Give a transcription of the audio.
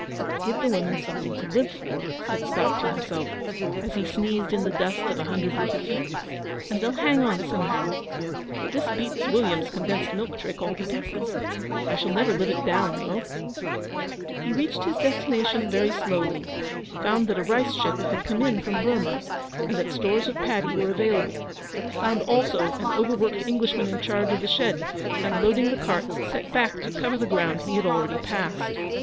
'Give the women something to live for,' said Scott to himself, as he sneezed in the dust of a hundred little feet, 'and they'll hang on somehow. But this beats William's condensed milk trick all to pieces. I shall never live it down, though.' He reached his destination very slowly, found that a rice ship had come in from Burmah, and that stores of paddy were available; found also an overworked Englishman in charge of the shed, and, loading the carts, set back to cover the ground he had already passed.